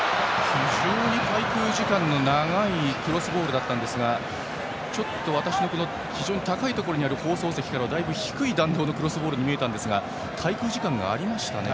非常に滞空時間の長いクロスボールでしたが高いところにある放送席からはだいぶ低い弾道のクロスボールに見えたんですが滞空時間がありましたね。